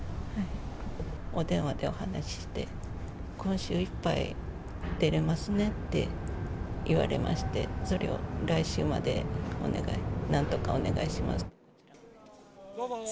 お電話でお話しして、今週いっぱいで出れますねって言われて、それを来週までなんとかお願いしますと。